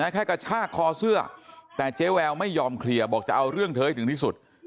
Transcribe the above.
แค่กระชากคอเสื้อแต่เจ๊แววไม่ยอมเคลียร์บอกจะเอาเรื่องเธอให้ถึงที่สุด